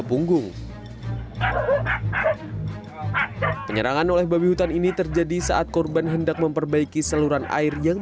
punggung penyerangan oleh babi hutan ini terjadi saat korban hendak memperbaiki saluran air yang